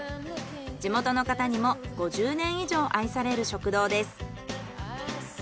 地元の方にも５０年以上愛される食堂です。